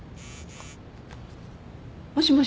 もしもし？